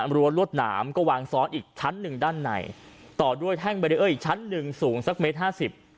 รั้วรวดหนามก็วางซ้อนอีกชั้นหนึ่งด้านในต่อด้วยแท่งเบรีเออร์อีกชั้นหนึ่งสูงสักเมตรห้าสิบ